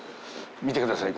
見てください